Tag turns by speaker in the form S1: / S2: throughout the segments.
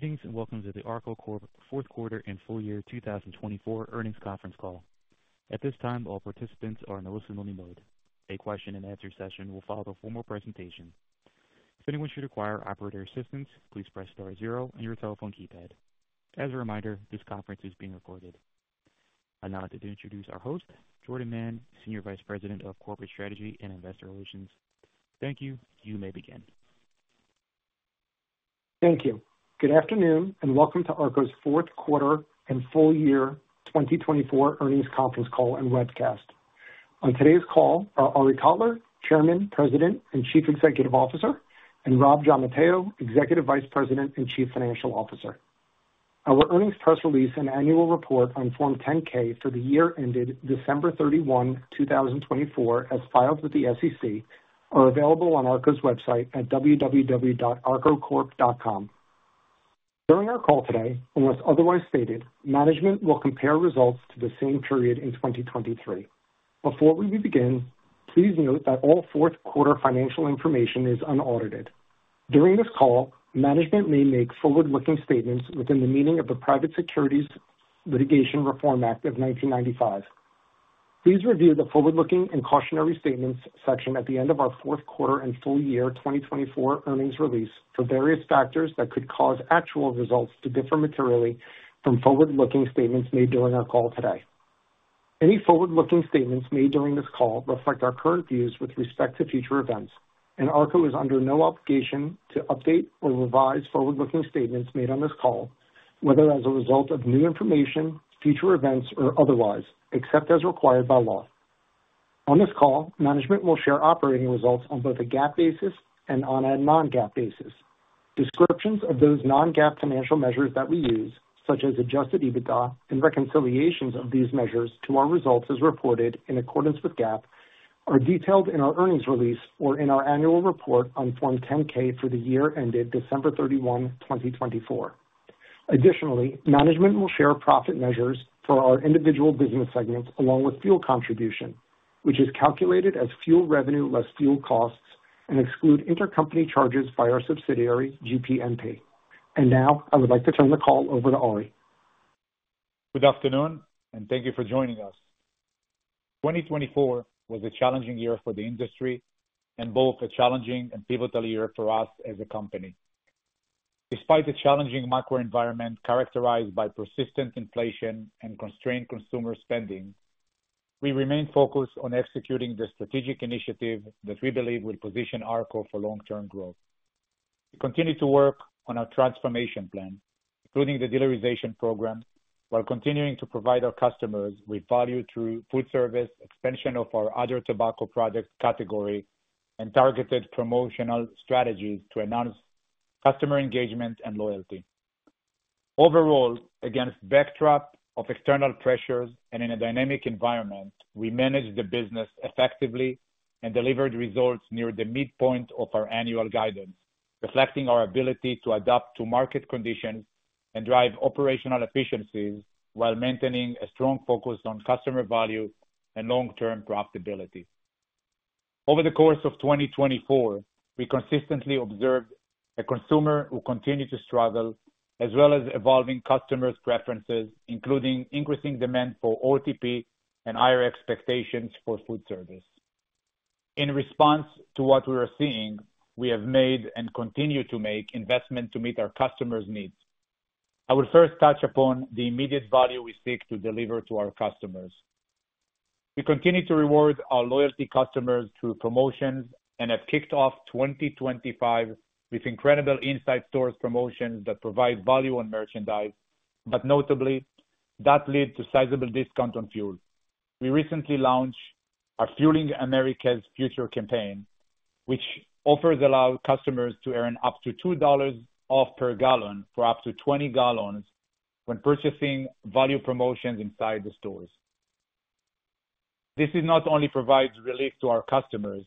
S1: Greetings and welcome to the Arko Corp. fourth quarter and full year 2024 earnings conference call. At this time, all participants are in a listen-only mode. A question-and-answer session will follow a formal presentation. If anyone should require operator assistance, please press star zero on your telephone keypad. As a reminder, this conference is being recorded. I would now like to introduce our host, Jordan Mann, Senior Vice President of Corporate Strategy and Investor Relations. Thank you. You may begin.
S2: Thank you. Good afternoon and welcome to Arko's fourth quarter and full year 2024 earnings conference call and webcast. On today's call are Arie Kotler, Chairman, President, and Chief Executive Officer, and Robb Giammatteo, Executive Vice President and Chief Financial Officer. Our earnings press release and annual report on Form 10-K for the year ended December 31, 2024, as filed with the SEC, are available on Arko's website at www.arkocorp.com. During our call today, unless otherwise stated, management will compare results to the same period in 2023. Before we begin, please note that all fourth quarter financial information is unaudited. During this call, management may make forward-looking statements within the meaning of the Private Securities Litigation Reform Act of 1995. Please review the forward-looking and cautionary statements section at the end of our fourth quarter and full year 2024 earnings release for various factors that could cause actual results to differ materially from forward-looking statements made during our call today. Any forward-looking statements made during this call reflect our current views with respect to future events, and Arko is under no obligation to update or revise forward-looking statements made on this call, whether as a result of new information, future events, or otherwise, except as required by law. On this call, management will share operating results on both a GAAP basis and on a non-GAAP basis. Descriptions of those non-GAAP financial measures that we use, such as adjusted EBITDA and reconciliations of these measures to our results as reported in accordance with GAAP, are detailed in our earnings release or in our annual report on Form 10-K for the year ended December 31, 2024. Additionally, management will share profit measures for our individual business segments along with fuel contribution, which is calculated as fuel revenue less fuel costs and excludes intercompany charges by our subsidiary, GPMP. Now I would like to turn the call over to Arie.
S3: Good afternoon, and thank you for joining us. 2024 was a challenging year for the industry and both a challenging and pivotal year for us as a company. Despite the challenging macro environment characterized by persistent inflation and constrained consumer spending, we remained focused on executing the strategic initiative that we believe will position Arko for long-term growth. We continue to work on our transformation plan, including the dealerization program, while continuing to provide our customers with value through foodservice, expansion of our other tobacco product category, and targeted promotional strategies to enhance customer engagement and loyalty. Overall, against backdrop of external pressures and in a dynamic environment, we managed the business effectively and delivered results near the midpoint of our annual guidance, reflecting our ability to adapt to market conditions and drive operational efficiencies while maintaining a strong focus on customer value and long-term profitability. Over the course of 2024, we consistently observed a consumer who continued to struggle, as well as evolving customers' preferences, including increasing demand for OTP and higher expectations for foodservice. In response to what we are seeing, we have made and continue to make investments to meet our customers' needs. I will first touch upon the immediate value we seek to deliver to our customers. We continue to reward our loyalty customers through promotions and have kicked off 2025 with incredible in-store promotions that provide value on merchandise, but notably, that led to sizable discounts on fuel. We recently launched our Fueling America's Future campaign, which offers loyal customers to earn up to $2 off per gal for up to 20 gal when purchasing value promotions inside the stores. This not only provides relief to our customers,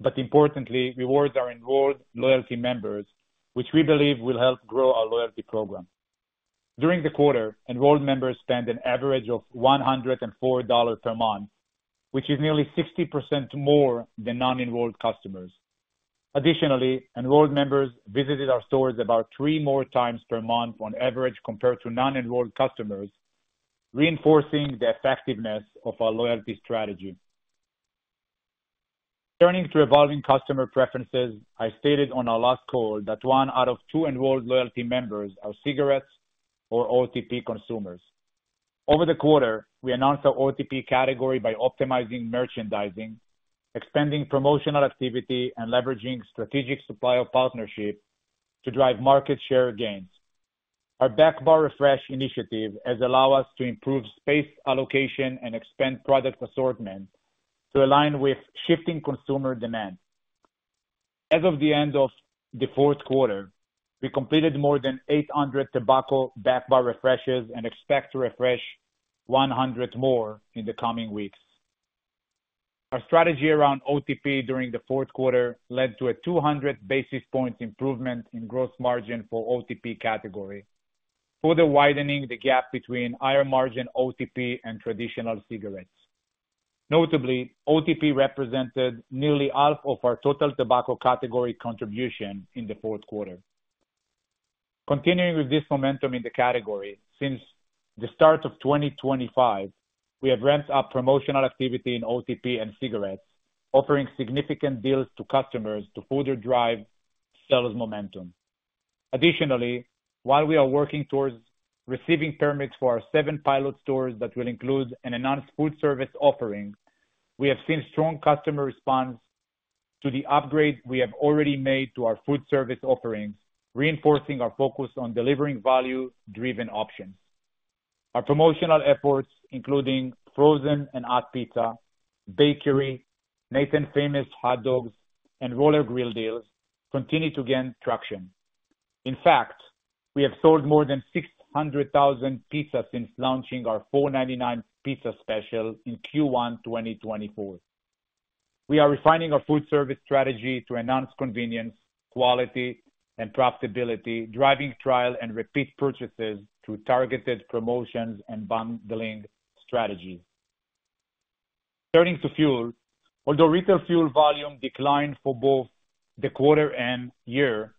S3: but importantly, rewards our enrolled loyalty members, which we believe will help grow our loyalty program. During the quarter, enrolled members spent an average of $104 per month, which is nearly 60% more than non-enrolled customers. Additionally, enrolled members visited our stores about three more times per month on average compared to non-enrolled customers, reinforcing the effectiveness of our loyalty strategy. Turning to evolving customer preferences, I stated on our last call that one out of two enrolled loyalty members are cigarettes or OTP consumers. Over the quarter, we announced our OTP category by optimizing merchandising, expanding promotional activity, and leveraging strategic supplier partnerships to drive market share gains. Our back bar refresh initiative has allowed us to improve space allocation and expand product assortment to align with shifting consumer demand. As of the end of the fourth quarter, we completed more than 800 tobacco back bar refreshes and expect to refresh 100 more in the coming weeks. Our strategy around OTP during the fourth quarter led to a 200 basis points improvement in gross margin for OTP category, further widening the gap between higher margin OTP and traditional cigarettes. Notably, OTP represented nearly half of our total tobacco category contribution in the fourth quarter. Continuing with this momentum in the category, since the start of 2025, we have ramped up promotional activity in OTP and cigarettes, offering significant deals to customers to further drive sales momentum. Additionally, while we are working towards receiving permits for our seven pilot stores that will include an announced foodservice offering, we have seen strong customer response to the upgrade we have already made to our foodservice offerings, reinforcing our focus on delivering value-driven options. Our promotional efforts, including frozen and hot pizza, bakery, Nathan's Famous hot dogs, and roller grill deals, continue to gain traction. In fact, we have sold more than 600,000 pizzas since launching our $4.99 pizza special in Q1 2024. We are refining our foodservice strategy to enhance convenience, quality, and profitability, driving trial and repeat purchases through targeted promotions and bundling strategies. Turning to fuels, although retail fuel volume declined for both the quarter and year,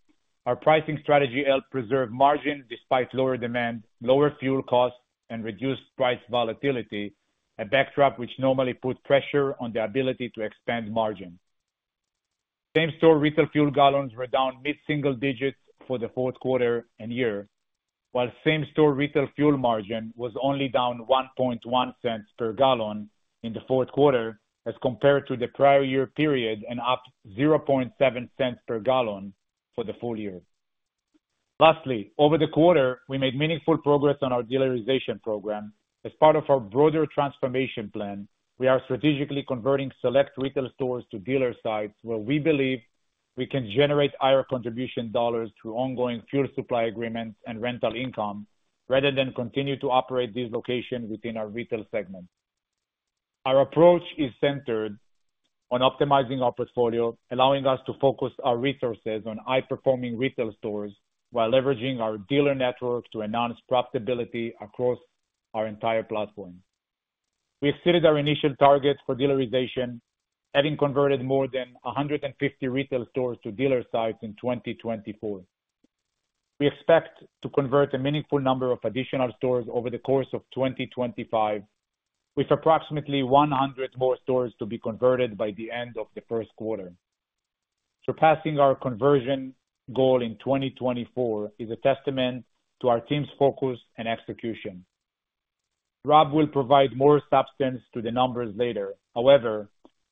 S3: our pricing strategy helped preserve margins despite lower demand, lower fuel costs, and reduced price volatility, a backdrop which normally put pressure on the ability to expand margin. Same-store retail fuel gallons were down mid-single digits for the fourth quarter and year, while same-store retail fuel margin was only down $0.011 per gal in the fourth quarter as compared to the prior year period and up $0.007 per gal for the full year. Lastly, over the quarter, we made meaningful progress on our dealerization program. As part of our broader transformation plan, we are strategically converting select retail stores to dealer sites where we believe we can generate higher contribution dollars through ongoing fuel supply agreements and rental income rather than continue to operate these locations within our retail segment. Our approach is centered on optimizing our portfolio, allowing us to focus our resources on high-performing retail stores while leveraging our dealer network to enhance profitability across our entire platform. We exceeded our initial targets for dealerization, having converted more than 150 retail stores to dealer sites in 2024. We expect to convert a meaningful number of additional stores over the course of 2025, with approximately 100 more stores to be converted by the end of the first quarter. Surpassing our conversion goal in 2024 is a testament to our team's focus and execution. Robb will provide more substance to the numbers later. However,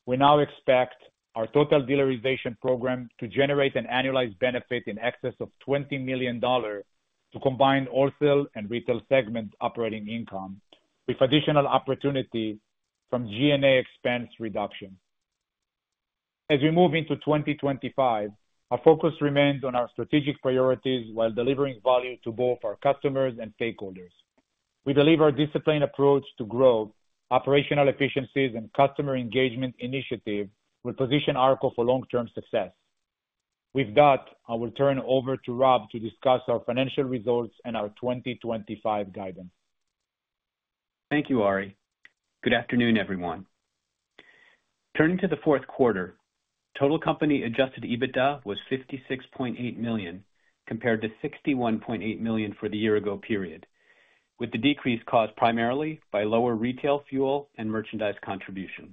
S3: we now expect our total dealerization program to generate an annualized benefit in excess of $20 million to combine wholesale and retail segment operating income, with additional opportunity from G&A expense reduction. As we move into 2025, our focus remains on our strategic priorities while delivering value to both our customers and stakeholders. We believe our disciplined approach to growth, operational efficiencies, and customer engagement initiative will position Arko for long-term success. With that, I will turn over to Robb to discuss our financial results and our 2025 guidance.
S4: Thank you, Arie. Good afternoon, everyone. Turning to the fourth quarter, total company adjusted EBITDA was $56.8 million compared to $61.8 million for the year-ago period, with the decrease caused primarily by lower retail fuel and merchandise contribution.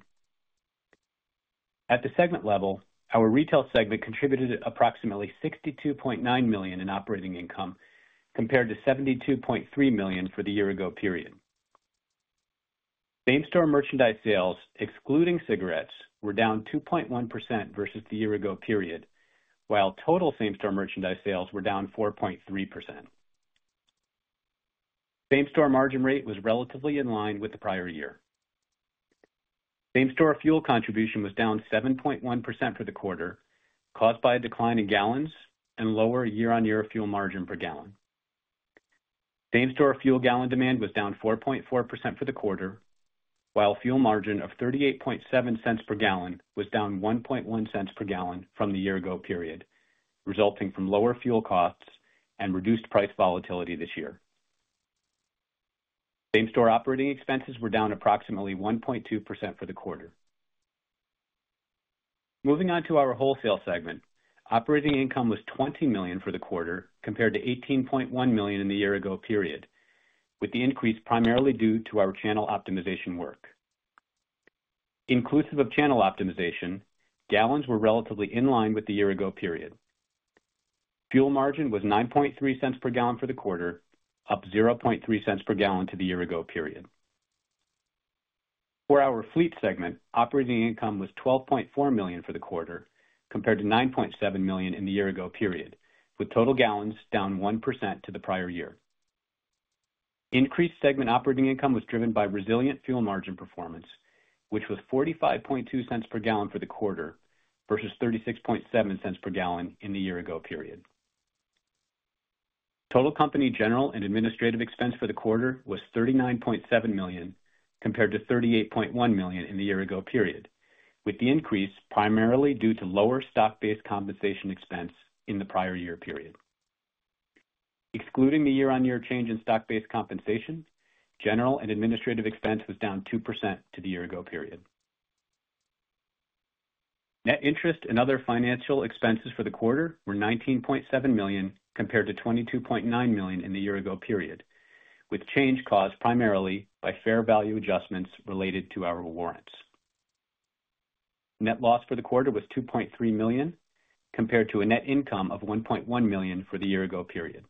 S4: At the segment level, our retail segment contributed approximately $62.9 million in operating income compared to $72.3 million for the year-ago period. Same-store merchandise sales, excluding cigarettes, were down 2.1% versus the year-ago period, while total same-store merchandise sales were down 4.3%. Same-store margin rate was relatively in line with the prior year. Same-store fuel contribution was down 7.1% for the quarter, caused by a decline in gallons and lower year-on-year fuel margin per gallon. Same-store fuel gallon demand was down 4.4% for the quarter, while fuel margin of $0.387 per gal was down $0.11 per gal from the year-ago period, resulting from lower fuel costs and reduced price volatility this year. Same-store operating expenses were down approximately 1.2% for the quarter. Moving on to our wholesale segment, operating income was $20 million for the quarter compared to $18.1 million in the year-ago period, with the increase primarily due to our channel optimization work. Inclusive of channel optimization, gallons were relatively in line with the year-ago period. Fuel margin was $0.93 per gal for the quarter, up $0.30 per gal to the year-ago period. For our fleet segment, operating income was $12.4 million for the quarter compared to $9.7 million in the year-ago period, with total gallons down 1% to the prior year. Increased segment operating income was driven by resilient fuel margin performance, which was $0.452 per gal for the quarter versus $0.367 per gal in the year-ago period. Total company general and administrative expense for the quarter was $39.7 million compared to $38.1 million in the year-ago period, with the increase primarily due to lower stock-based compensation expense in the prior year period. Excluding the year-on-year change in stock-based compensation, general and administrative expense was down 2% to the year-ago period. Net interest and other financial expenses for the quarter were $19.7 million compared to $22.9 million in the year-ago period, with change caused primarily by fair value adjustments related to our warrants. Net loss for the quarter was $2.3 million compared to a net income of $1.1 million for the year-ago period.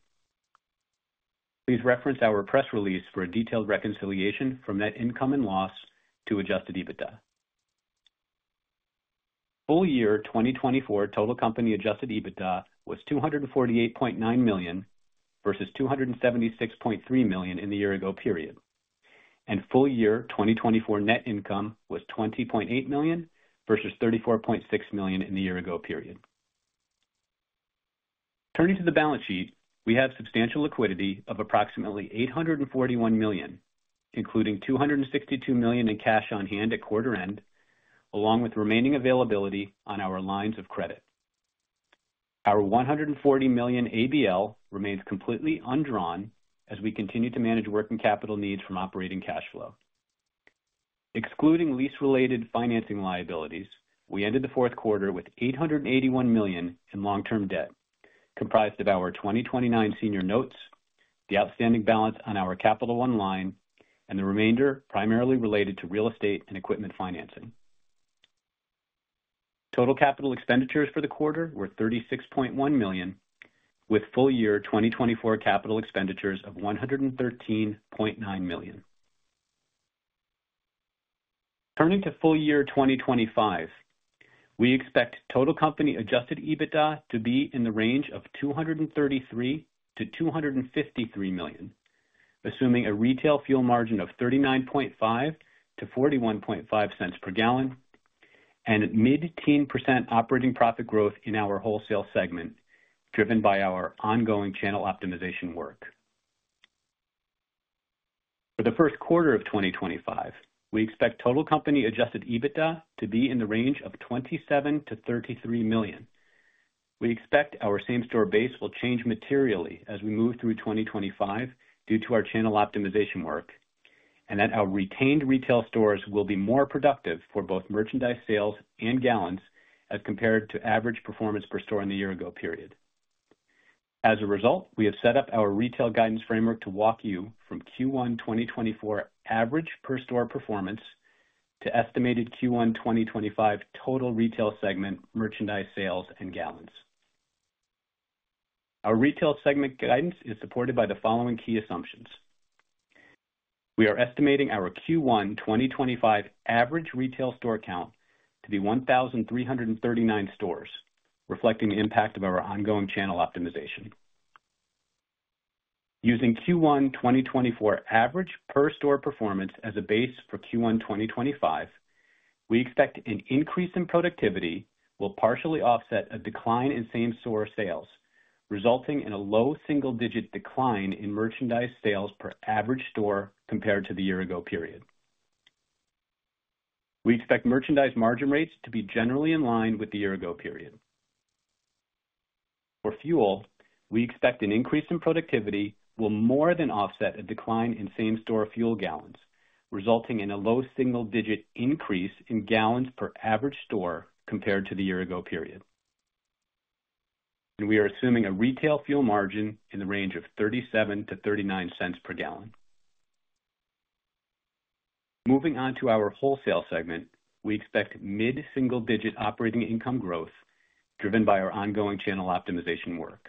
S4: Please reference our press release for a detailed reconciliation from net income and loss to adjusted EBITDA. Full year 2024 total company adjusted EBITDA was $248.9 million versus $276.3 million in the year-ago period, and full year 2024 net income was $20.8 million versus $34.6 million in the year-ago period. Turning to the balance sheet, we have substantial liquidity of approximately $841 million, including $262 million in cash on hand at quarter end, along with remaining availability on our lines of credit. Our $140 million ABL remains completely undrawn as we continue to manage working capital needs from operating cash flow. Excluding lease-related financing liabilities, we ended the fourth quarter with $881 million in long-term debt, comprised of our 2029 senior notes, the outstanding balance on our Capital One line, and the remainder primarily related to real estate and equipment financing. Total capital expenditures for the quarter were $36.1 million, with full year 2024 capital expenditures of $113.9 million. Turning to full year 2025, we expect total company adjusted EBITDA to be in the range of $233-$253 million, assuming a retail fuel margin of 39.5-41.5 cents per gal, and mid-teen% operating profit growth in our wholesale segment driven by our ongoing channel optimization work. For the first quarter of 2025, we expect total company adjusted EBITDA to be in the range of $27-$33 million. We expect our same-store base will change materially as we move through 2025 due to our channel optimization work, and that our retained retail stores will be more productive for both merchandise sales and gallons as compared to average performance per store in the year-ago period. As a result, we have set up our retail guidance framework to walk you from Q1 2024 average per store performance to estimated Q1 2025 total retail segment merchandise sales and gallons. Our retail segment guidance is supported by the following key assumptions. We are estimating our Q1 2025 average retail store count to be 1,339 stores, reflecting the impact of our ongoing channel optimization. Using Q1 2024 average per store performance as a base for Q1 2025, we expect an increase in productivity will partially offset a decline in same-store sales, resulting in a low single-digit decline in merchandise sales per average store compared to the year-ago period. We expect merchandise margin rates to be generally in line with the year-ago period. For fuel, we expect an increase in productivity will more than offset a decline in same-store fuel gallons, resulting in a low single-digit increase in gallons per average store compared to the year-ago period, and we are assuming a retail fuel margin in the range of $0.37-$0.39 per gal. Moving on to our wholesale segment, we expect mid-single-digit operating income growth driven by our ongoing channel optimization work.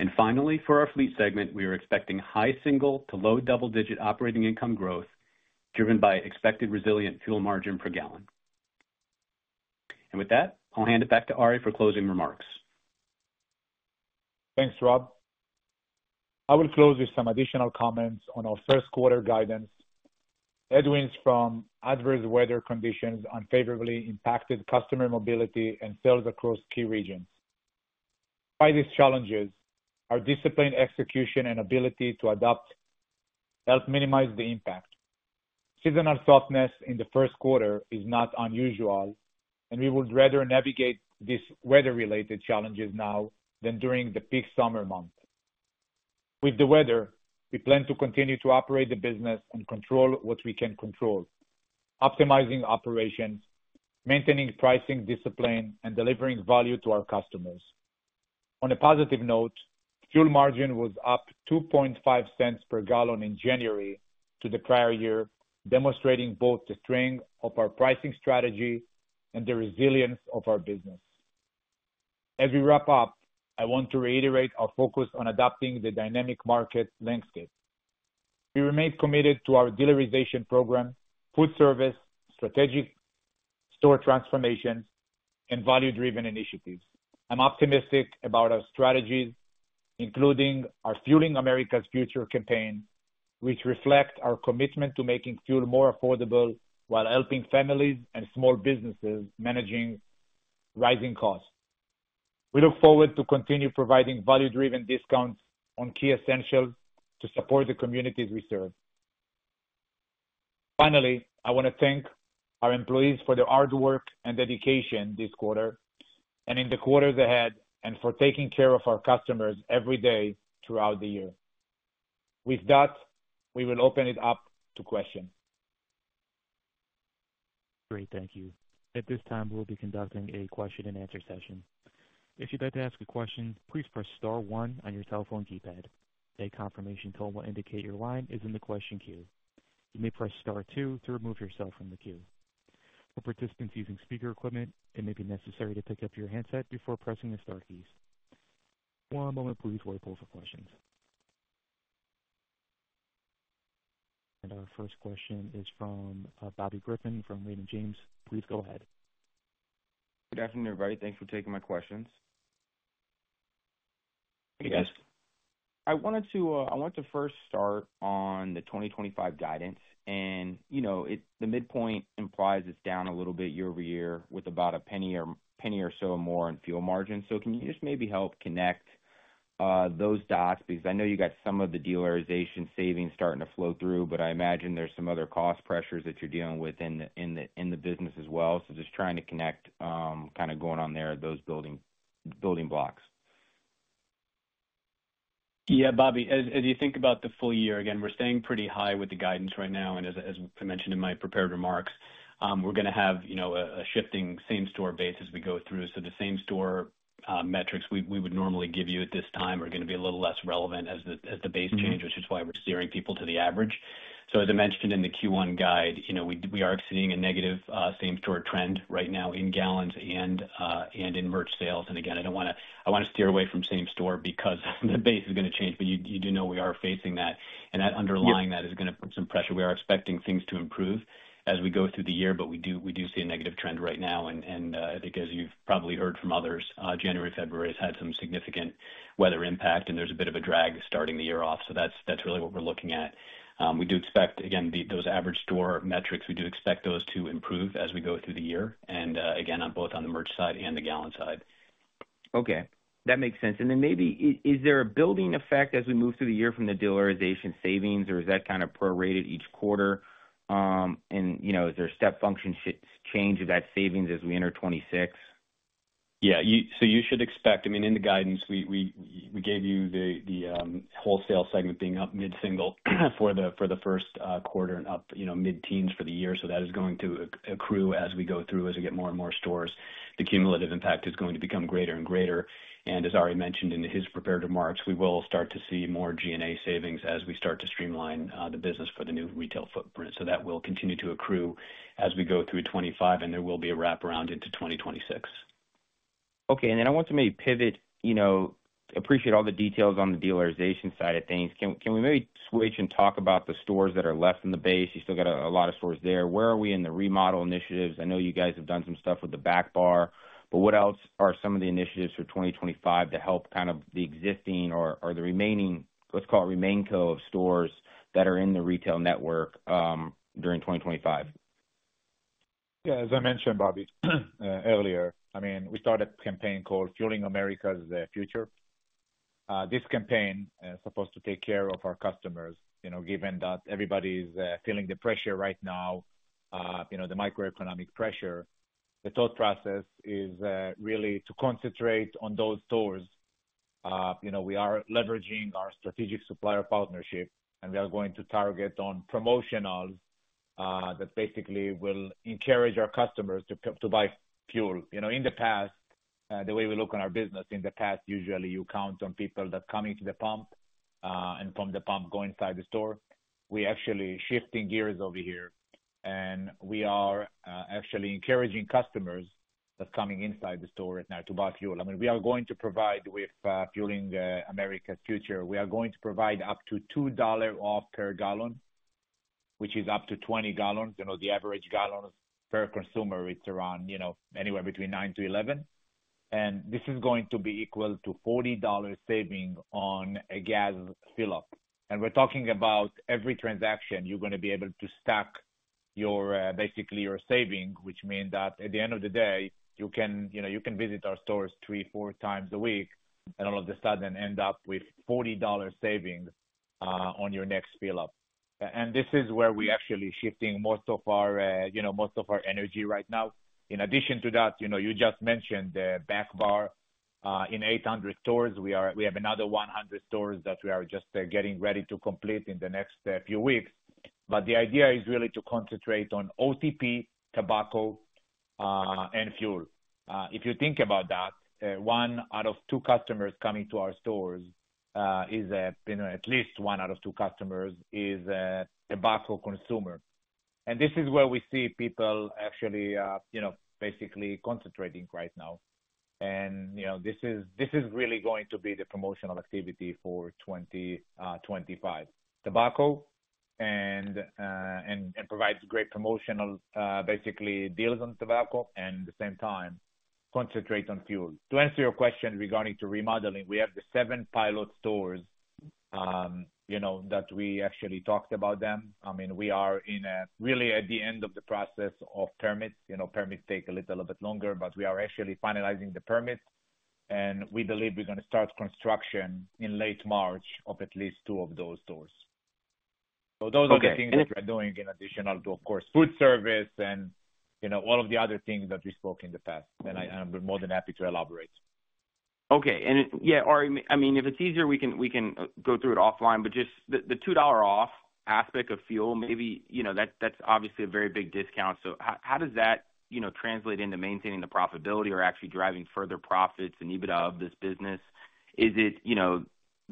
S4: And finally, for our fleet segment, we are expecting high single to low double-digit operating income growth driven by expected resilient fuel margin per gallon. And with that, I'll hand it back to Arie for closing remarks.
S3: Thanks, Robb. I will close with some additional comments on our first quarter guidance. Headwinds from adverse weather conditions unfavorably impacted customer mobility and sales across key regions. Despite these challenges, our disciplined execution and ability to adapt helped minimize the impact. Seasonal softness in the first quarter is not unusual, and we would rather navigate these weather-related challenges now than during the peak summer month. With the weather, we plan to continue to operate the business and control what we can control, optimizing operations, maintaining pricing discipline, and delivering value to our customers. On a positive note, fuel margin was up $0.25 per gal in January to the prior year, demonstrating both the strength of our pricing strategy and the resilience of our business. As we wrap up, I want to reiterate our focus on adapting to the dynamic market landscape. We remain committed to our dealerization program, foodservice, strategic store transformations, and value-driven initiatives. I'm optimistic about our strategies, including our Fueling America's Future campaign, which reflects our commitment to making fuel more affordable while helping families and small businesses manage rising costs. We look forward to continuing to provide value-driven discounts on key essentials to support the communities we serve. Finally, I want to thank our employees for their hard work and dedication this quarter and in the quarters ahead and for taking care of our customers every day throughout the year. With that, we will open it up to questions.
S1: Great. Thank you. At this time, we'll be conducting a question-and-answer session. If you'd like to ask a question, please press Star 1 on your cell phone keypad. A confirmation tone will indicate your line is in the question queue. You may press Star 2 to remove yourself from the queue. For participants using speaker equipment, it may be necessary to pick up your handset before pressing the Star keys. One moment, please, while we pull up the questions. Our first question is from Bobby Griffin from Raymond James. Please go ahead.
S5: Good afternoon, everybody. Thanks for taking my questions.
S3: Yes.
S5: I wanted to first start on the 2025 guidance. And the midpoint implies it's down a little bit year-over-year with about a penny or so more in fuel margin. So can you just maybe help connect those dots? Because I know you got some of the dealerization savings starting to flow through, but I imagine there's some other cost pressures that you're dealing with in the business as well. So just trying to connect kind of going on there, those building blocks.
S4: Yeah, Bobby, as you think about the full year, again, we're staying pretty high with the guidance right now, and as I mentioned in my prepared remarks, we're going to have a shifting same-store base as we go through, so the same-store metrics we would normally give you at this time are going to be a little less relevant as the base changes, which is why we're steering people to the average, so as I mentioned in the Q1 guide, we are seeing a negative same-store trend right now in gallons and in merch sales, and again, I don't want to steer away from same-store because the base is going to change, but you do know we are facing that, and underlying that is going to put some pressure. We are expecting things to improve as we go through the year, but we do see a negative trend right now. I think, as you've probably heard from others, January and February has had some significant weather impact, and there's a bit of a drag starting the year off. So that's really what we're looking at. We do expect, again, those average store metrics, we do expect those to improve as we go through the year, and again, on both the merch side and the gallon side.
S5: Okay. That makes sense. And then maybe, is there a building effect as we move through the year from the dealerization savings, or is that kind of prorated each quarter? And is there a step function change of that savings as we enter 2026?
S4: Yeah. So you should expect, I mean, in the guidance, we gave you the wholesale segment being up mid-single for the first quarter and up mid-teens for the year. So that is going to accrue as we go through, as we get more and more stores. The cumulative impact is going to become greater and greater. And as Arie mentioned in his prepared remarks, we will start to see more G&A savings as we start to streamline the business for the new retail footprint. So that will continue to accrue as we go through 2025, and there will be a wrap-around into 2026.
S5: Okay. And then I want to maybe pivot, appreciate all the details on the dealerization side of things. Can we maybe switch and talk about the stores that are left in the base? You still got a lot of stores there. Where are we in the remodel initiatives? I know you guys have done some stuff with the back bar, but what else are some of the initiatives for 2025 to help kind of the existing or the remaining, let's call it remaining stores that are in the retail network during 2025?
S3: Yeah. As I mentioned, Bobby, earlier, I mean, we started a campaign called Fueling America's Future. This campaign is supposed to take care of our customers, given that everybody's feeling the pressure right now, the macroeconomic pressure. The thought process is really to concentrate on those stores. We are leveraging our strategic supplier partnership, and we are going to target on promotionals that basically will encourage our customers to buy fuel. In the past, the way we look on our business, in the past, usually you count on people that come into the pump and from the pump go inside the store. We're actually shifting gears over here, and we are actually encouraging customers that are coming inside the store right now to buy fuel. I mean, we are going to provide with Fueling America's Future. We are going to provide up to $2 off per gal, which is up to 20 gal. The average gallon per consumer, it's around anywhere between 9 to 11, and this is going to be equal to $40 saving on a gas fill-up, and we're talking about every transaction, you're going to be able to stack basically your saving, which means that at the end of the day, you can visit our stores three, four times a week, and all of a sudden end up with $40 savings on your next fill-up, and this is where we're actually shifting most of our energy right now. In addition to that, you just mentioned the back bar. In 800 stores, we have another 100 stores that we are just getting ready to complete in the next few weeks, but the idea is really to concentrate on OTP, tobacco, and fuel. If you think about that, one out of two customers coming to our stores is at least one out of two customers is a tobacco consumer. And this is where we see people actually basically concentrating right now. And this is really going to be the promotional activity for 2025. Tobacco provides great promotional, basically deals on tobacco, and at the same time, concentrate on fuel. To answer your question regarding to remodeling, we have the seven pilot stores that we actually talked about them. I mean, we are really at the end of the process of permits. Permits take a little bit longer, but we are actually finalizing the permits, and we believe we're going to start construction in late March of at least two of those stores. So those are the things that we are doing in addition to, of course, foodservice and all of the other things that we spoke in the past. And I'm more than happy to elaborate.
S5: Okay. And yeah, Arie, I mean, if it's easier, we can go through it offline, but just the $2 off aspect of fuel, maybe that's obviously a very big discount. So how does that translate into maintaining the profitability or actually driving further profits and EBITDA of this business? Is it the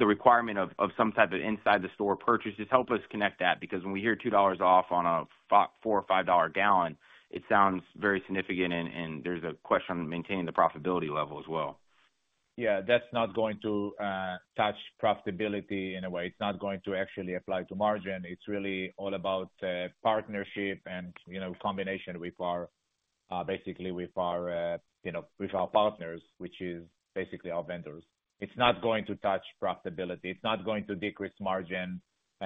S5: requirement of some type of inside-the-store purchases? Help us connect that because when we hear $2 off on a $4 or $5 gal, it sounds very significant, and there's a question on maintaining the profitability level as well.
S3: Yeah. That's not going to touch profitability in a way. It's not going to actually apply to margin. It's really all about partnership and combination basically with our partners, which is basically our vendors. It's not going to touch profitability. It's not going to decrease margin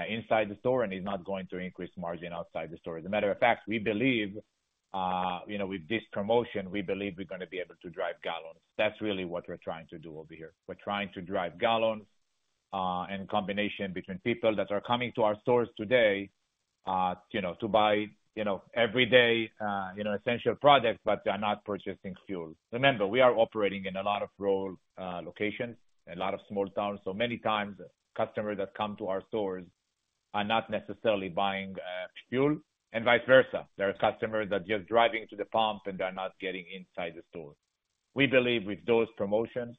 S3: inside the store, and it's not going to increase margin outside the store. As a matter of fact, we believe with this promotion, we believe we're going to be able to drive gallons. That's really what we're trying to do over here. We're trying to drive gallons and combination between people that are coming to our stores today to buy everyday essential products, but they're not purchasing fuel. Remember, we are operating in a lot of rural locations, a lot of small towns. So many times, customers that come to our stores are not necessarily buying fuel and vice versa. There are customers that are just driving to the pump, and they're not getting inside the store. We believe with those promotions,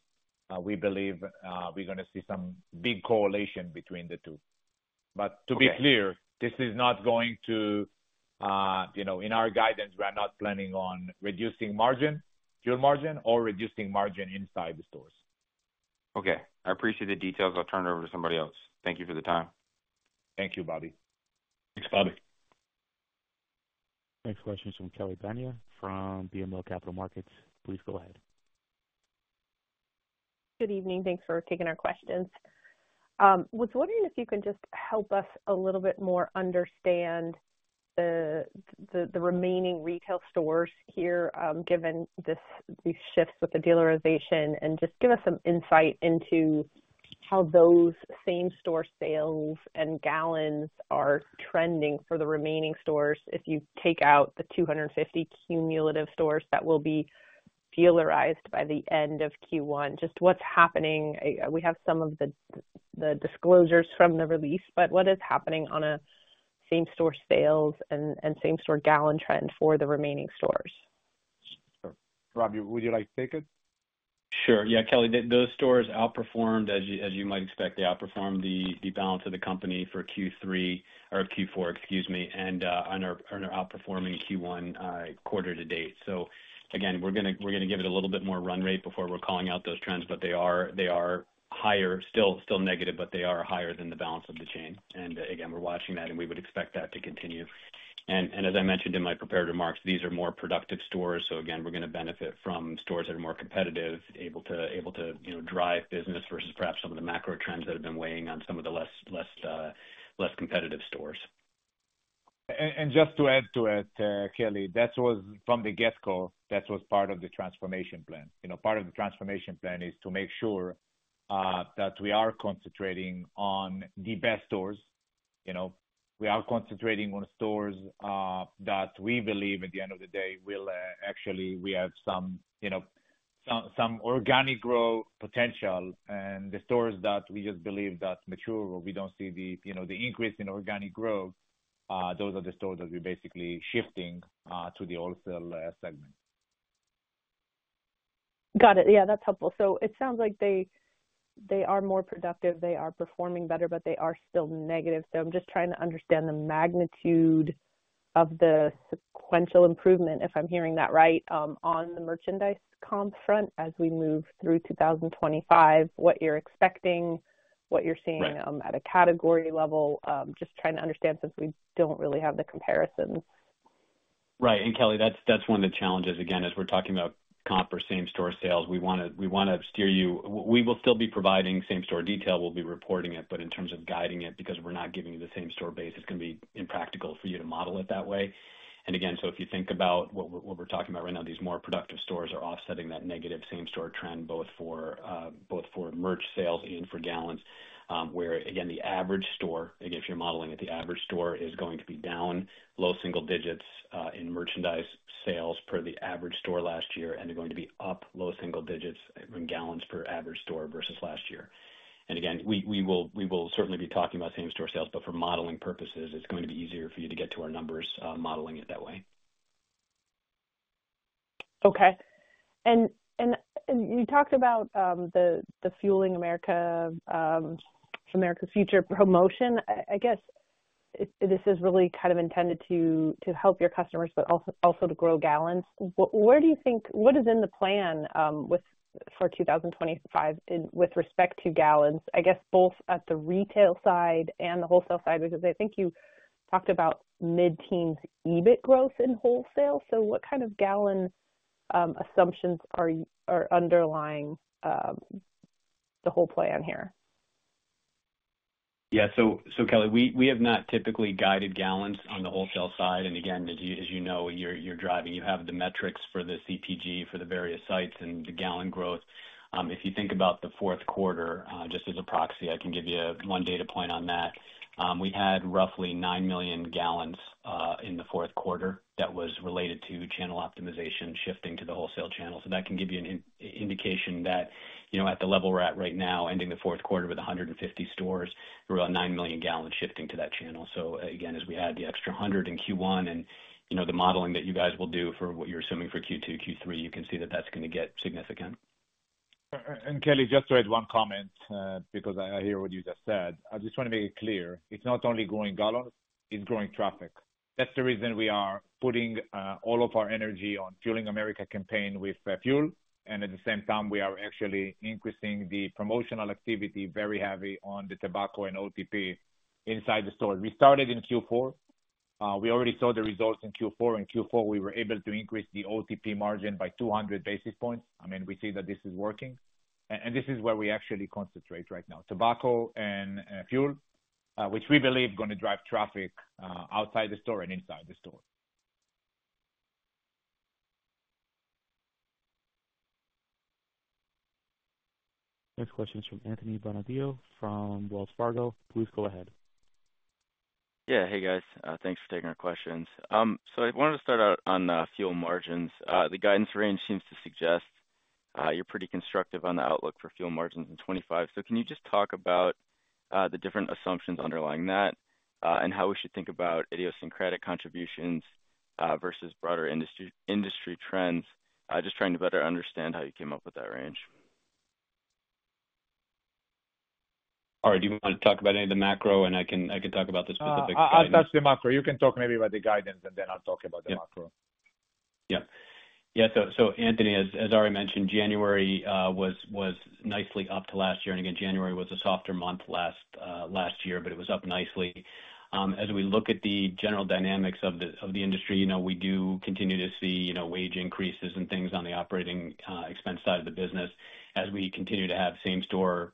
S3: we believe we're going to see some big correlation between the two. But to be clear, this is not going to, in our guidance, we are not planning on reducing fuel margin or reducing margin inside the stores.
S5: Okay. I appreciate the details. I'll turn it over to somebody else. Thank you for the time.
S3: Thank you, Bobby.
S4: Thanks, Bobby.
S1: Next question is from Kelly Bania from BMO Capital Markets. Please go ahead.
S6: Good evening. Thanks for taking our questions. I was wondering if you could just help us a little bit more understand the remaining retail stores here, given these shifts with the dealerization, and just give us some insight into how those same-store sales and gallons are trending for the remaining stores if you take out the 250 cumulative stores that will be dealerized by the end of Q1? Just what's happening? We have some of the disclosures from the release, but what is happening on a same-store sales and same-store gallon trend for the remaining stores?
S3: Sure. Robb, would you like to take it?
S4: Sure. Yeah, Kelly, those stores outperformed, as you might expect. They outperformed the balance of the company for Q3 or Q4, excuse me, and are outperforming Q1 quarter to date. So again, we're going to give it a little bit more run rate before we're calling out those trends, but they are higher. Still negative, but they are higher than the balance of the chain. And again, we're watching that, and we would expect that to continue. And as I mentioned in my prepared remarks, these are more productive stores. So again, we're going to benefit from stores that are more competitive, able to drive business versus perhaps some of the macro trends that have been weighing on some of the less competitive stores.
S3: And just to add to it, Kelly, that was from the get-go. That was part of the transformation plan. Part of the transformation plan is to make sure that we are concentrating on the best stores. We are concentrating on stores that we believe at the end of the day will actually have some organic growth potential. And the stores that we just believe that mature or we don't see the increase in organic growth, those are the stores that we're basically shifting to the wholesale segment.
S6: Got it. Yeah, that's helpful. So it sounds like they are more productive. They are performing better, but they are still negative. So I'm just trying to understand the magnitude of the sequential improvement, if I'm hearing that right, on the merchandise comp front as we move through 2025, what you're expecting, what you're seeing at a category level, just trying to understand since we don't really have the comparisons.
S4: Right. And Kelly, that's one of the challenges. Again, as we're talking about comp or same-store sales, we want to steer you. We will still be providing same-store detail. We'll be reporting it, but in terms of guiding it, because we're not giving you the same-store base, it's going to be impractical for you to model it that way. And again, so if you think about what we're talking about right now, these more productive stores are offsetting that negative same-store trend both for merch sales and for gallons, where again, the average store, again, if you're modeling it, the average store is going to be down low single digits in merchandise sales per the average store last year, and they're going to be up low single digits in gallons per average store versus last year. Again, we will certainly be talking about same-store sales, but for modeling purposes, it's going to be easier for you to get to our numbers modeling it that way.
S6: Okay. And you talked about the Fueling America's Future promotion. I guess this is really kind of intended to help your customers, but also to grow gallons. Where do you think what is in the plan for 2025 with respect to gallons, I guess, both at the retail side and the wholesale side? Because I think you talked about mid-teens EBIT growth in wholesale. So what kind of gallon assumptions are underlying the whole plan here?
S4: Yeah. So Kelly, we have not typically guided gallons on the wholesale side. And again, as you know, you're driving. You have the metrics for the CPG for the various sites and the gallon growth. If you think about the fourth quarter, just as a proxy, I can give you one data point on that. We had roughly 9 million gal in the fourth quarter that was related to channel optimization shifting to the wholesale channel. So that can give you an indication that at the level we're at right now, ending the fourth quarter with 150 stores, we're on 9 million gal shifting to that channel. So again, as we add the extra 100 in Q1 and the modeling that you guys will do for what you're assuming for Q2, Q3, you can see that that's going to get significant.
S3: Kelly, just to add one comment because I hear what you just said. I just want to make it clear. It's not only growing gallons. It's growing traffic. That's the reason we are putting all of our energy on Fueling America's Future campaign with fuel. And at the same time, we are actually increasing the promotional activity very heavy on the tobacco and OTP inside the stores. We started in Q4. We already saw the results in Q4. In Q4, we were able to increase the OTP margin by 200 basis points. I mean, we see that this is working. And this is where we actually concentrate right now, tobacco and fuel, which we believe is going to drive traffic outside the store and inside the store.
S1: Next question is from Anthony Bonadio from Wells Fargo. Please go ahead.
S7: Yeah. Hey, guys. Thanks for taking our questions. So I wanted to start out on fuel margins. The guidance range seems to suggest you're pretty constructive on the outlook for fuel margins in 2025. So can you just talk about the different assumptions underlying that and how we should think about idiosyncratic contributions versus broader industry trends, just trying to better understand how you came up with that range?
S4: All right. Do you want to talk about any of the macro? And I can talk about the specifics.
S3: That's the macro. You can talk maybe about the guidance, and then I'll talk about the macro.
S4: Yeah. Yeah. So, Anthony, as Arie mentioned, January was nicely up to last year. And again, January was a softer month last year, but it was up nicely. As we look at the general dynamics of the industry, we do continue to see wage increases and things on the operating expense side of the business as we continue to have same-store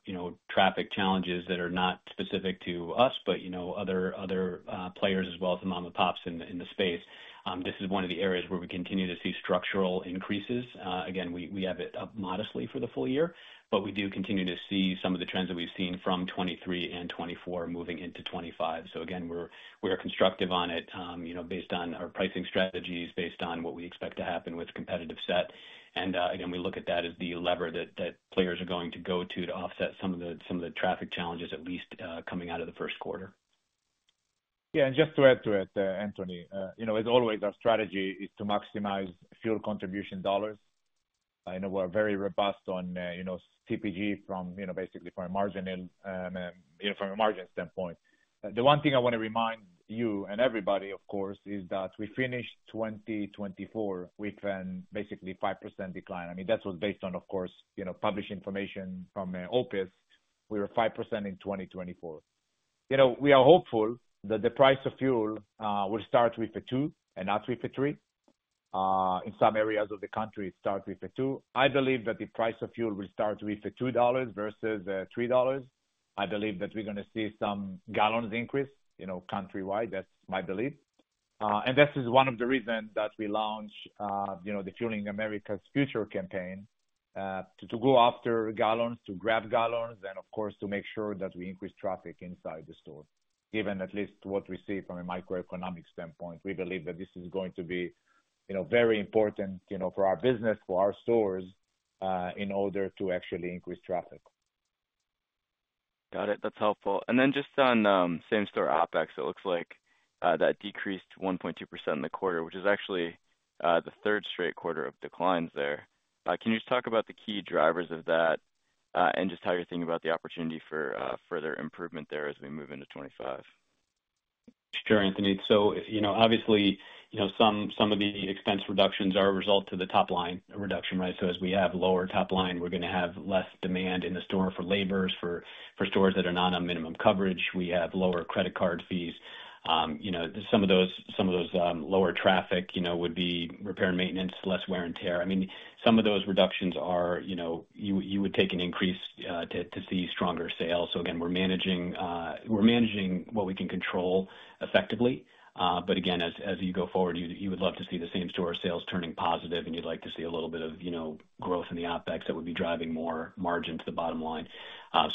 S4: traffic challenges that are not specific to us, but other players as well as the mom-and-pops in the space. This is one of the areas where we continue to see structural increases. Again, we have it up modestly for the full year, but we do continue to see some of the trends that we've seen from 2023 and 2024 moving into 2025. So again, we're constructive on it based on our pricing strategies, based on what we expect to happen with competitive set. Again, we look at that as the lever that players are going to go to to offset some of the traffic challenges, at least coming out of the first quarter.
S3: Yeah. Just to add to it, Anthony, as always, our strategy is to maximize fuel contribution dollars. I know we're very robust on CPG from basically a margin standpoint. The one thing I want to remind you and everybody, of course, is that we finished 2024 with basically a 5% decline. I mean, that was based on, of course, published information from OPIS. We were 5% in 2024. We are hopeful that the price of fuel will start with a $2 and not with a $3. In some areas of the country, it starts with a $2. I believe that the price of fuel will start with $2 versus $3. I believe that we're going to see some gallons increase countrywide. That's my belief. And this is one of the reasons that we launched the Fueling America's Future campaign to go after gallons, to grab gallons, and of course, to make sure that we increase traffic inside the store, given at least what we see from a microeconomic standpoint. We believe that this is going to be very important for our business, for our stores, in order to actually increase traffic.
S7: Got it. That's helpful. And then just on same-store OpEx, it looks like that decreased 1.2% in the quarter, which is actually the third straight quarter of declines there. Can you just talk about the key drivers of that and just how you're thinking about the opportunity for further improvement there as we move into 2025?
S4: Sure, Anthony. So obviously, some of the expense reductions are a result of the top-line reduction, right? So as we have lower top line, we're going to have less demand in the store for laborers, for stores that are not on minimum coverage. We have lower credit card fees. Some of those lower traffic would be repair and maintenance, less wear and tear. I mean, some of those reductions are you would take an increase to see stronger sales. So again, we're managing what we can control effectively. But again, as you go forward, you would love to see the same-store sales turning positive, and you'd like to see a little bit of growth in the OpEx that would be driving more margin to the bottom line.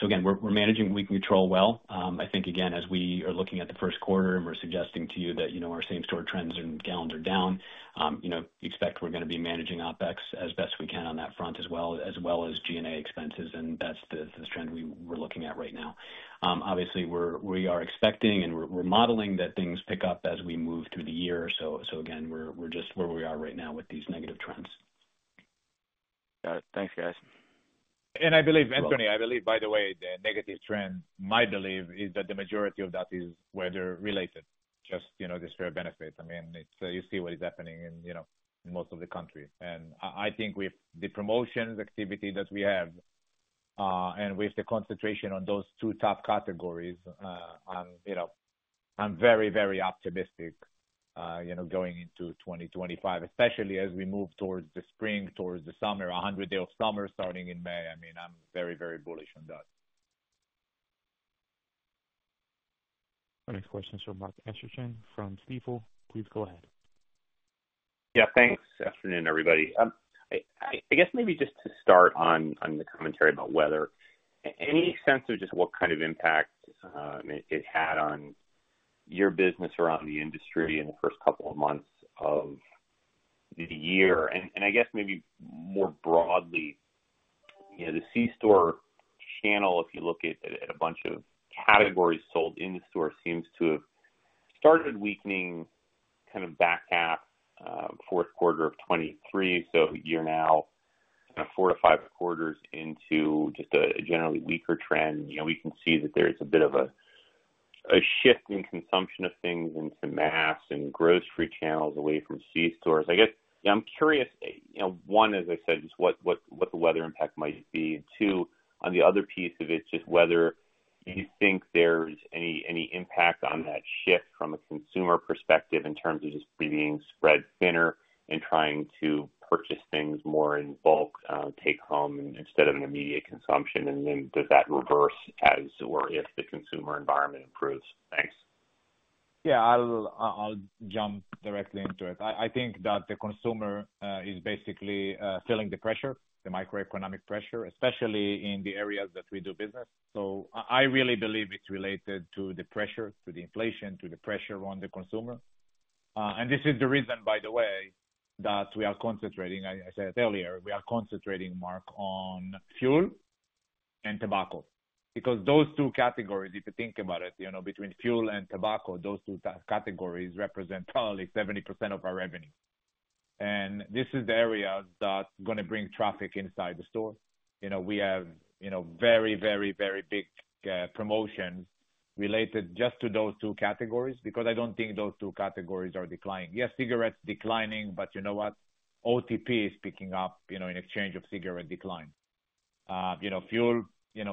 S4: So again, we're managing what we can control well. I think, again, as we are looking at the first quarter and we're suggesting to you that our same-store trends and gallons are down. Expect we're going to be managing OpEx as best we can on that front as well, as well as G&A expenses, and that's the trend we're looking at right now. Obviously, we are expecting and we're modeling that things pick up as we move through the year, so again, we're just where we are right now with these negative trends.
S7: Got it. Thanks, guys.
S3: And Anthony, I believe, by the way, the negative trend, my belief, is that the majority of that is weather-related, just this year benefit. I mean, you see what is happening in most of the country. And I think with the promotion activity that we have and with the concentration on those two top categories, I'm very, very optimistic going into 2025, especially as we move towards the spring, towards the summer, 100 Days of Summer starting in May. I mean, I'm very, very bullish on that.
S1: Next question is from Mark Astrachan from Stifel. Please go ahead.
S8: Yeah. Thanks. Good afternoon, everybody. I guess maybe just to start on the commentary about weather, any sense of just what kind of impact it had on your business or on the industry in the first couple of months of the year? And I guess maybe more broadly, the C-store channel, if you look at a bunch of categories sold in the store, seems to have started weakening kind of back half, fourth quarter of 2023. So a year now, kind of four to five quarters into just a generally weaker trend. We can see that there's a bit of a shift in consumption of things into mass and grocery channels away from c-stores. I guess, yeah, I'm curious, one, as I said, just what the weather impact might be. And two, on the other piece of it, just whether you think there's any impact on that shift from a consumer perspective in terms of just being spread thinner and trying to purchase things more in bulk, take home instead of an immediate consumption? And then does that reverse as or if the consumer environment improves? Thanks.
S4: Yeah. I'll jump directly into it. I think that the consumer is basically feeling the pressure, the microeconomic pressure, especially in the areas that we do business. So I really believe it's related to the pressure, to the inflation, to the pressure on the consumer. And this is the reason, by the way, that we are concentrating, I said earlier, we are concentrating, Mark, on fuel and tobacco. Because those two categories, if you think about it, between fuel and tobacco, those two categories represent probably 70% of our revenue. And this is the area that's going to bring traffic inside the store. We have very, very, very big promotions related just to those two categories because I don't think those two categories are declining. Yes, cigarettes declining, but you know what? OTP is picking up in exchange of cigarette decline. Fuel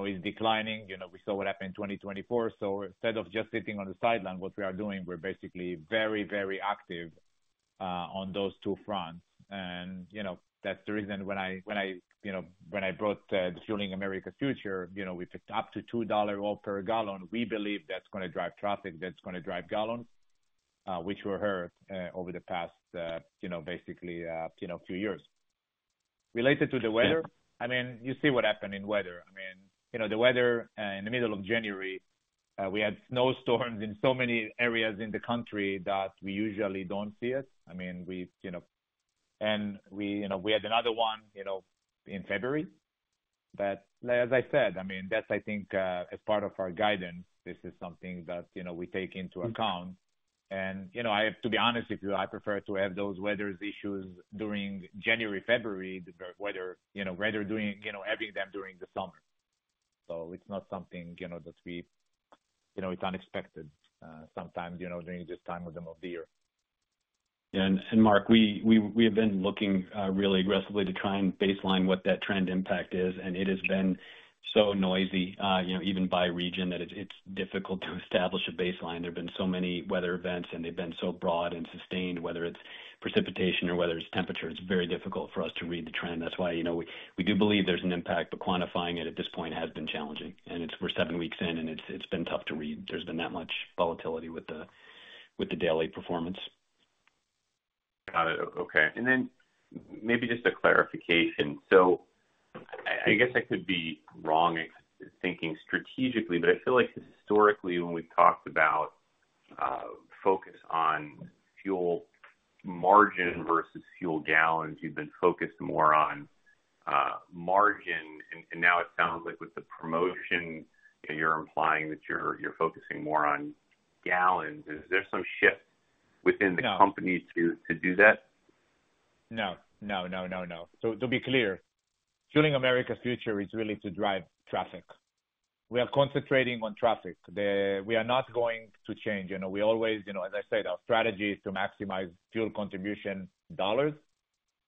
S4: is declining. We saw what happened in 2024. So instead of just sitting on the sideline, what we are doing, we're basically very, very active on those two fronts. And that's the reason when I brought the Fueling America's Future, we picked up to $2 off per gal. We believe that's going to drive traffic, that's going to drive gallons, which were hurt over the past basically few years. Related to the weather, I mean, you see what happened in weather. I mean, the weather in the middle of January, we had snowstorms in so many areas in the country that we usually don't see it. I mean, and we had another one in February. But as I said, I mean, that's, I think, as part of our guidance, this is something that we take into account. And to be honest, I prefer to have those weather issues during January, February, rather than having them during the summer. It's not something that it's unexpected sometimes during this time of the year.
S3: And Mark, we have been looking really aggressively to try and baseline what that trend impact is. And it has been so noisy, even by region, that it's difficult to establish a baseline. There have been so many weather events, and they've been so broad and sustained, whether it's precipitation or whether it's temperature. It's very difficult for us to read the trend. That's why we do believe there's an impact, but quantifying it at this point has been challenging. And we're seven weeks in, and it's been tough to read. There's been that much volatility with the daily performance.
S8: Got it. Okay. And then maybe just a clarification. So I guess I could be wrong thinking strategically, but I feel like historically, when we've talked about focus on fuel margin versus fuel gallons, you've been focused more on margin. And now it sounds like with the promotion, you're implying that you're focusing more on gallons. Is there some shift within the company to do that?
S4: No. No. No. No. No. So to be clear, Fueling America's Future is really to drive traffic. We are concentrating on traffic. We are not going to change. We always, as I said, our strategy is to maximize fuel contribution dollars.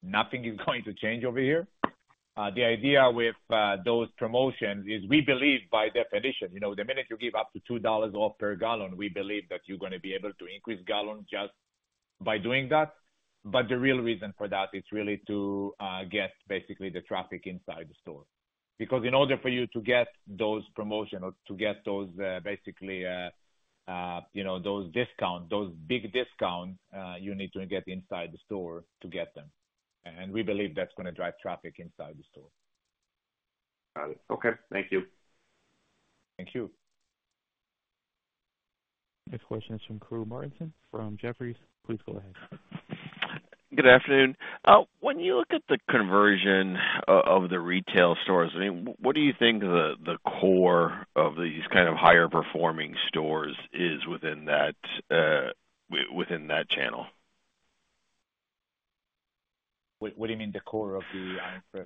S4: Nothing is going to change over here. The idea with those promotions is we believe by definition, the minute you give up to $2 off per gal, we believe that you're going to be able to increase gallons just by doing that. But the real reason for that is really to get basically the traffic inside the store. Because in order for you to get those promotions or to get basically those discounts, those big discounts, you need to get inside the store to get them. And we believe that's going to drive traffic inside the store.
S8: Got it. Okay. Thank you.
S4: Thank you.
S1: Next question is from Karru Martinson from Jefferies. Please go ahead.
S9: Good afternoon. When you look at the conversion of the retail stores, I mean, what do you think the core of these kind of higher-performing stores is within that channel?
S2: What do you mean the core of the?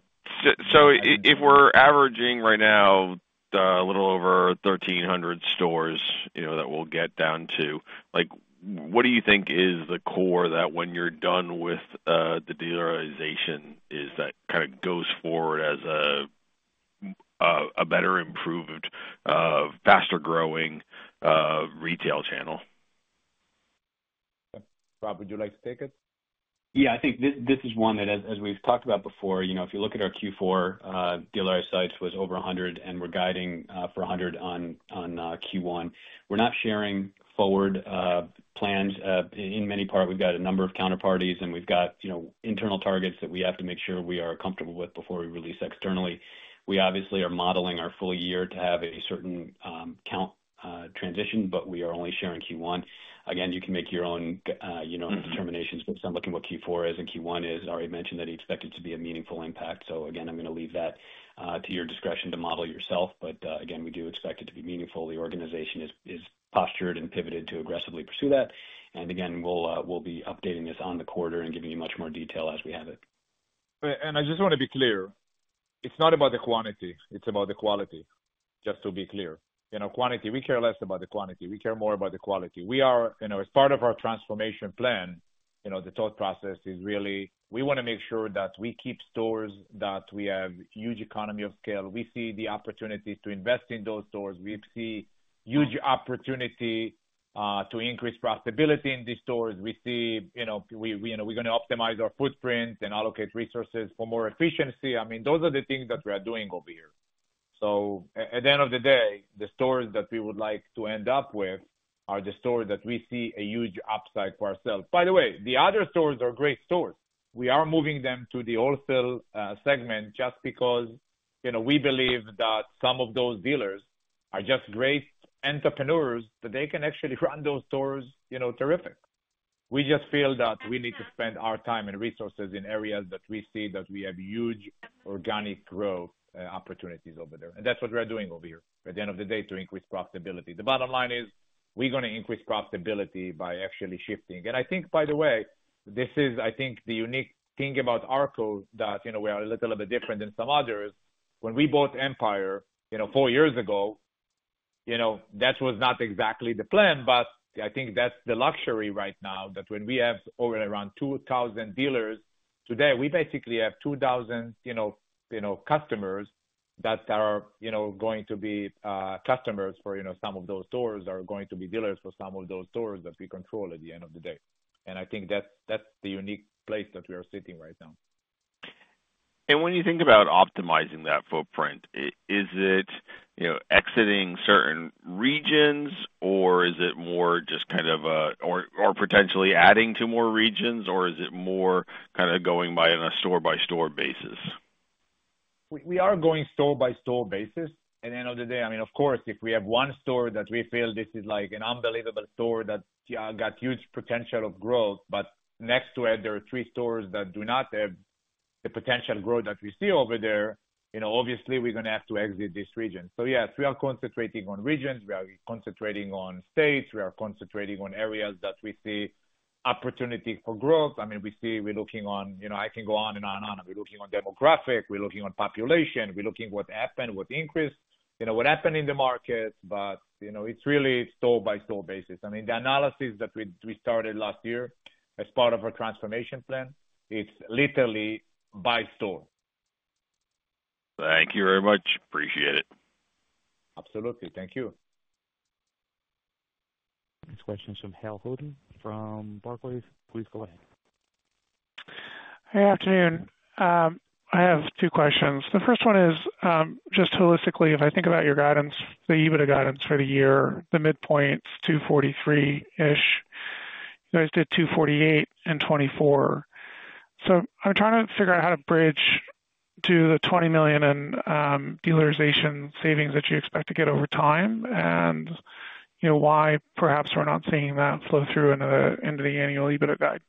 S9: So if we're averaging right now a little over 1,300 stores that we'll get down to, what do you think is the core that when you're done with the dealerization is that kind of goes forward as a better, improved, faster-growing retail channel?
S2: Okay. Robb, would you like to take it?
S4: Yeah. I think this is one that, as we've talked about before, if you look at our Q4 dealer sites was over 100, and we're guiding for 100 on Q1. We're not sharing forward plans. In many parts, we've got a number of counterparties, and we've got internal targets that we have to make sure we are comfortable with before we release externally. We obviously are modeling our full year to have a certain count transition, but we are only sharing Q1. Again, you can make your own determinations. Based on looking at what Q4 is and Q1 is, I already mentioned that it's expected to be a meaningful impact. So again, I'm going to leave that to your discretion to model yourself. But again, we do expect it to be meaningful. The organization is postured and pivoted to aggressively pursue that. Again, we'll be updating this on the quarter and giving you much more detail as we have it.
S2: I just want to be clear. It's not about the quantity. It's about the quality. Just to be clear. Quantity, we care less about the quantity. We care more about the quality. As part of our transformation plan, the thought process is really we want to make sure that we keep stores that we have huge economy of scale. We see the opportunity to invest in those stores. We see huge opportunity to increase profitability in these stores. We see we're going to optimize our footprint and allocate resources for more efficiency. I mean, those are the things that we are doing over here. So at the end of the day, the stores that we would like to end up with are the stores that we see a huge upside for ourselves. By the way, the other stores are great stores. We are moving them to the wholesale segment just because we believe that some of those dealers are just great entrepreneurs, but they can actually run those stores terrific. We just feel that we need to spend our time and resources in areas that we see that we have huge organic growth opportunities over there, and that's what we're doing over here. At the end of the day, to increase profitability, the bottom line is we're going to increase profitability by actually shifting. I think, by the way, this is, I think, the unique thing about our model that we are a little bit different than some others. When we bought Empire four years ago, that was not exactly the plan, but I think that's the luxury right now that when we have over around 2,000 dealers today, we basically have 2,000 customers that are going to be customers for some of those stores or going to be dealers for some of those stores that we control at the end of the day, and I think that's the unique place that we are sitting right now.
S9: When you think about optimizing that footprint, is it exiting certain regions, or is it more just kind of or potentially adding to more regions, or is it more kind of going by a store-by-store basis?
S2: We are going store-by-store basis. At the end of the day, I mean, of course, if we have one store that we feel this is like an unbelievable store that got huge potential of growth, but next to it, there are three stores that do not have the potential growth that we see over there, obviously, we're going to have to exit this region. So yes, we are concentrating on regions. We are concentrating on states. We are concentrating on areas that we see opportunity for growth. I mean, we see we're looking on. I can go on and on and on. We're looking on demographic. We're looking on population. We're looking at what happened, what increased, what happened in the markets. But it's really store-by-store basis. I mean, the analysis that we started last year as part of our transformation plan, it's literally by store.
S9: Thank you very much. Appreciate it.
S2: Absolutely. Thank you.
S1: Next question is from Hale Holden from Barclays. Please go ahead.
S10: Hey, afternoon. I have two questions. The first one is just holistically, if I think about your guidance, the EBITDA guidance for the year, the midpoint's 243-ish. You guys did 248 and 24. So I'm trying to figure out how to bridge to the 20 million in dealerization savings that you expect to get over time and why perhaps we're not seeing that flow through into the annual EBITDA guide.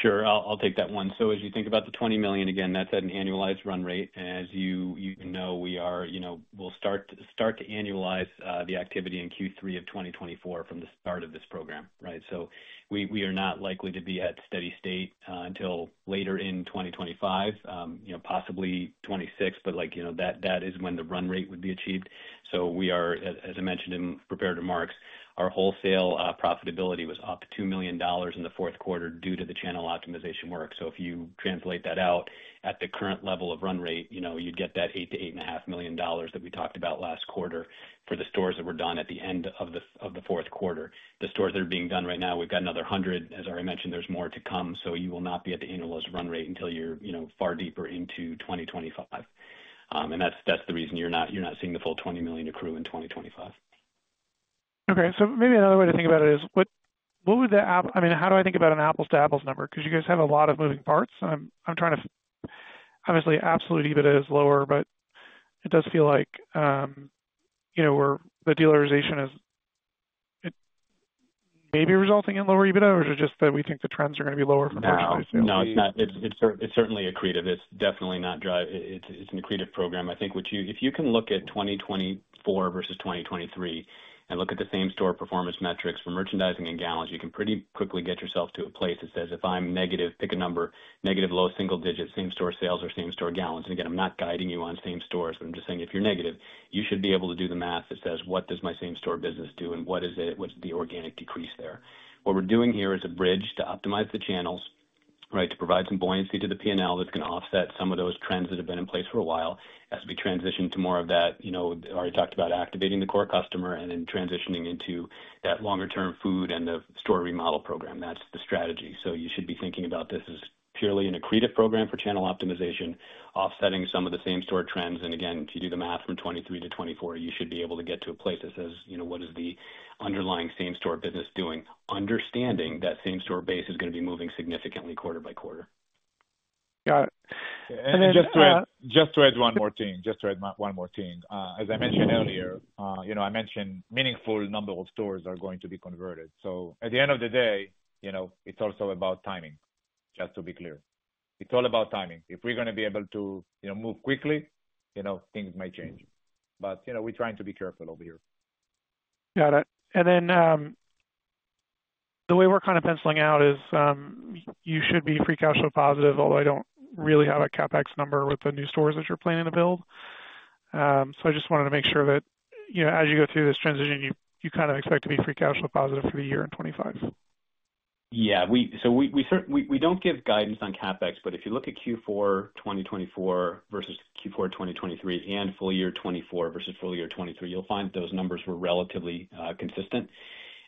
S2: Sure. I'll take that one. So as you think about the $20 million, again, that's at an annualized run rate. And as you know, we'll start to annualize the activity in Q3 of 2024 from the start of this program, right? So we are not likely to be at steady state until later in 2025, possibly 2026, but that is when the run rate would be achieved. So we are, as I mentioned in prepared remarks, our wholesale profitability was up $2 million in the fourth quarter due to the channel optimization work. So if you translate that out at the current level of run rate, you'd get that $8 million-$8.5 million that we talked about last quarter for the stores that were done at the end of the fourth quarter. The stores that are being done right now, we've got another 100. As I mentioned, there's more to come, so you will not be at the annualized run rate until you're far deeper into 2025, and that's the reason you're not seeing the full $20 million accrue in 2025.
S10: Okay, so maybe another way to think about it is, I mean, how do I think about an apples-to-apples number? Because you guys have a lot of moving parts. I'm trying to, obviously, absolute EBITDA is lower, but it does feel like the dealerization is maybe resulting in lower EBITDA, or is it just that we think the trends are going to be lower for merchandise sales?
S2: No, it's certainly accretive. It's definitely not drive. It's an accretive program. I think if you can look at 2024 versus 2023 and look at the same store performance metrics for merchandising and gallons, you can pretty quickly get yourself to a place that says, if I'm negative, pick a number, negative low single digit, same store sales or same store gallons. And again, I'm not guiding you on same stores, but I'm just saying if you're negative, you should be able to do the math that says, what does my same store business do, and what is the organic decrease there? What we're doing here is a bridge to optimize the channels, right, to provide some buoyancy to the P&L that's going to offset some of those trends that have been in place for a while. As we transition to more of that, I already talked about activating the core customer and then transitioning into that longer-term food and the store remodel program. That's the strategy. So you should be thinking about this as purely an accretive program for channel optimization, offsetting some of the same store trends. And again, if you do the math from 2023 to 2024, you should be able to get to a place that says, what is the underlying same store business doing? Understanding that same store base is going to be moving significantly quarter by quarter.
S10: Got it.
S4: And then. Just to add one more thing. As I mentioned earlier, a meaningful number of stores are going to be converted. So at the end of the day, it's also about timing, just to be clear. It's all about timing. If we're going to be able to move quickly, things may change. But we're trying to be careful over here.
S10: Got it. And then the way we're kind of penciling out is you should be free cash flow positive, although I don't really have a CapEx number with the new stores that you're planning to build. So I just wanted to make sure that as you go through this transition, you kind of expect to be free cash flow positive for the year in 2025.
S2: Yeah. So we don't give guidance on CapEx, but if you look at Q4 2024 versus Q4 2023, and full year 2024 versus full year 2023, you'll find those numbers were relatively consistent.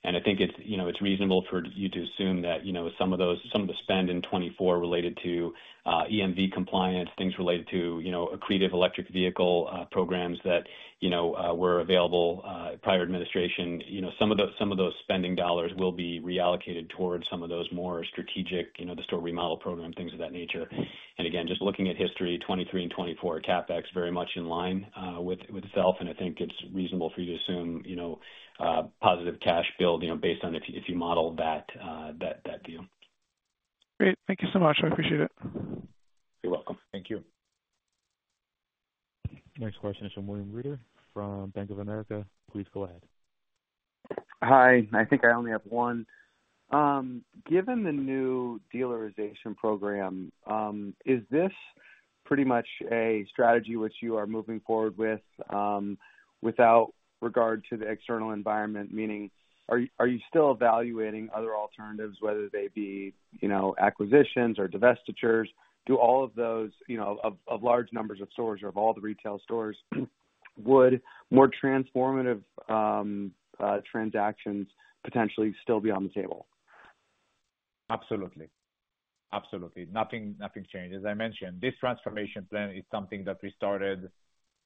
S2: And I think it's reasonable for you to assume that some of the spend in 2024 related to EMV compliance, things related to accretive electric vehicle programs that were available prior administration, some of those spending dollars will be reallocated towards some of those more strategic store remodel program, things of that nature. And again, just looking at history, 2023 and 2024, CapEx very much in line with itself. And I think it's reasonable for you to assume positive cash build based on if you model that view.
S10: Great. Thank you so much. I appreciate it.
S2: You're welcome.
S4: Thank you.
S1: Next question is from William Reuter from Bank of America. Please go ahead.
S11: Hi. I think I only have one. Given the new dealerization program, is this pretty much a strategy which you are moving forward with without regard to the external environment? Meaning, are you still evaluating other alternatives, whether they be acquisitions or divestitures? Do all of those of large numbers of stores or of all the retail stores, would more transformative transactions potentially still be on the table?
S2: Absolutely. Absolutely. Nothing changes. As I mentioned, this transformation plan is something that we started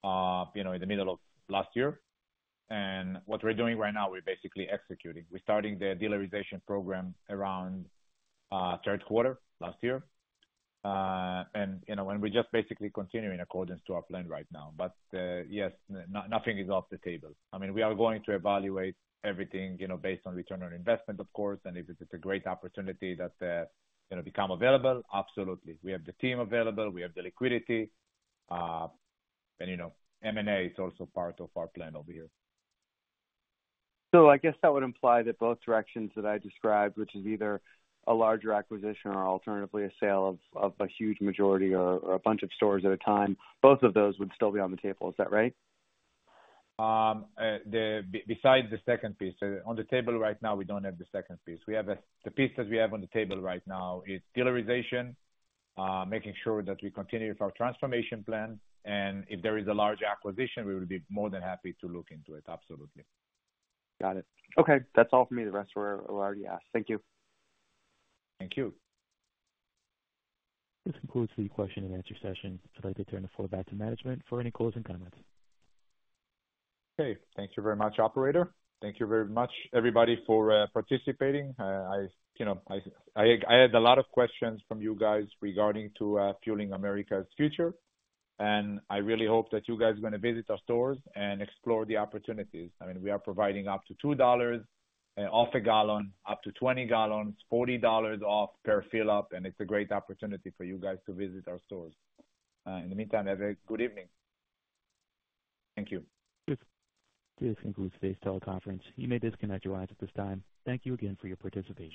S2: in the middle of last year. And what we're doing right now, we're basically executing. We're starting the dealerization program around third quarter last year. And we're just basically continuing according to our plan right now. But yes, nothing is off the table. I mean, we are going to evaluate everything based on return on investment, of course. And if it's a great opportunity that becomes available, absolutely. We have the team available. We have the liquidity. And M&A is also part of our plan over here.
S11: So I guess that would imply that both directions that I described, which is either a larger acquisition or alternatively a sale of a huge majority or a bunch of stores at a time, both of those would still be on the table. Is that right?
S2: Besides the second piece, on the table right now, we don't have the second piece. The piece that we have on the table right now is dealerization, making sure that we continue with our transformation plan. And if there is a large acquisition, we would be more than happy to look into it. Absolutely.
S11: Got it. Okay. That's all for me. The rest were already asked. Thank you.
S2: Thank you.
S1: This concludes the question and answer session. I'd like to turn the floor back to management for any closing comments.
S2: Okay. Thank you very much, operator. Thank you very much, everybody, for participating. I had a lot of questions from you guys regarding to Fueling America's Future. And I really hope that you guys are going to visit our stores and explore the opportunities. I mean, we are providing up to $2 off a gal, up to 20 gal, $40 off per fill-up. And it's a great opportunity for you guys to visit our stores. In the meantime, have a good evening. Thank you.
S3: This concludes today's teleconference. You may disconnect your lines at this time. Thank you again for your participation.